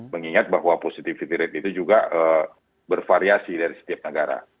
mengingat bahwa positivity rate itu juga bervariasi dari setiap negara